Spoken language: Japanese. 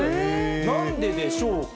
なんででしょうか。